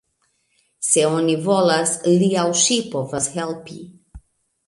Se oni volas, li aŭ ŝi povas helpi.